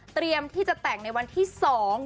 เตรียมที่จะแต่งในวันที่สอง